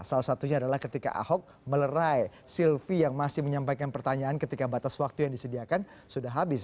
salah satunya adalah ketika ahok melerai silvi yang masih menyampaikan pertanyaan ketika batas waktu yang disediakan sudah habis